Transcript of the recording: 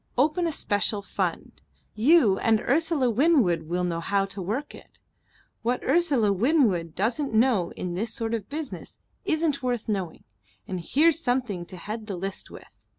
Open a special fund. You and Ursula Winwood will know how to work it. What Ursula Winwood doesn't know in this sort of business isn't worth knowing and here's something to head the list with."